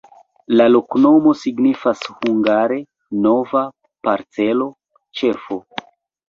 La loknomo signifas hungare: nova-parcelo-ĉefo.